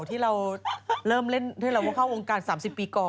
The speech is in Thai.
ที่เราเริ่มเล่นเคยเราก็เข้าโรงการสามสิบปีก่อน